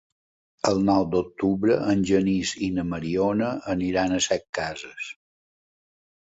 El nou d'octubre en Genís i na Mariona aniran a Setcases.